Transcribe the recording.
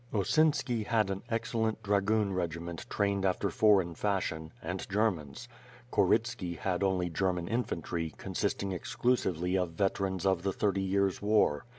Osinski had an excellent dragoon regiment trained after foreign fashion, and Germans. Korytski had only German infantry, consisting exclusively of veterans of the Thirty Years War.